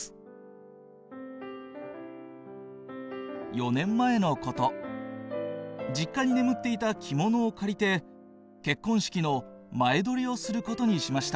「４年前のこと、実家に眠っていた着物を借りて、結婚式の前撮りをすることにしました。